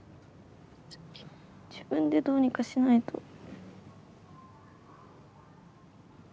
自分でどうにかしないと。